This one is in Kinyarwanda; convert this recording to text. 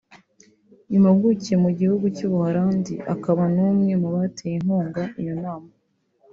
Impuguke yo mu gihugu cy’u Buholandi akaba n’umwe mu bateye inkunga iyo nama